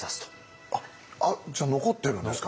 じゃあ残ってるんですか？